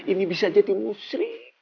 ini bisa jadi musrik